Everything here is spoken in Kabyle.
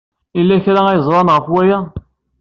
Yella kra ay ẓran ɣef waya?